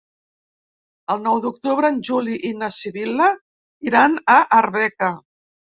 El nou d'octubre en Juli i na Sibil·la iran a Arbeca.